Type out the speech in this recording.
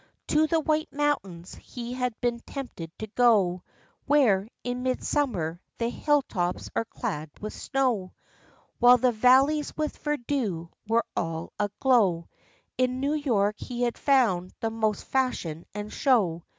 To the White Mountains he had been tempted to go, Where, in midsummer, the hill tops are clad with snow, While the valleys with verdure were all a glow. In New York he had found the most fashion and show.